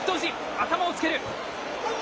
頭をつける。